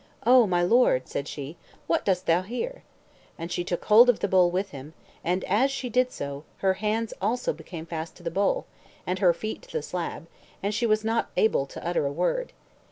"O my lord," said she, "what dost thou here?" And she took hold of the bowl with him; and as she did so, her hands also became fast to the bowl, and her feet to the slab, and she was not able to utter a word.